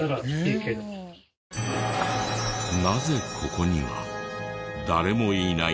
なぜここには誰もいないのか？